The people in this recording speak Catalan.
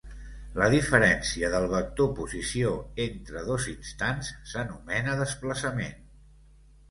La diferència del vector posició entre dos instants s'anomena desplaçament.